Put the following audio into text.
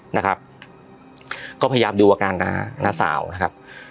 นะครับก็พยายามดูอาการน้าน้าสาวนะครับ